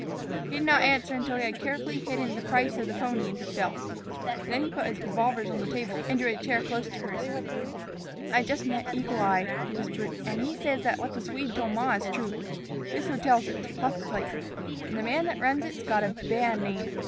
He did not answer until he had carefully hidden the price of the pony in his belt. Then he put his revolvers on the table and drew a chair close to hers. "I just met Eagle Eye," he whispered, "an' he says that what the Swede told ma is true. This hotel's a tough place, and the man that runs it 's got a bad name.